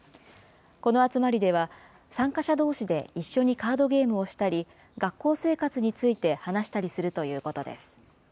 この集まりでは、参加者どうしで一緒にカードゲームをしたり、学校生活について話したりするということです。